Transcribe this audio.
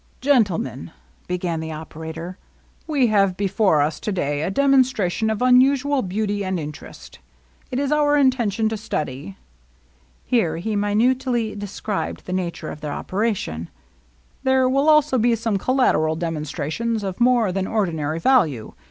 " Gentlemen," began the operator, " we have be fore us to day a demonstration of unusual beauty and interest. It is our intention to study "— here he minutely described the nature of the operation. 99 I LOVELINESS. 83 ^^ There will be also some collateral demonstrations of more than ordinary value.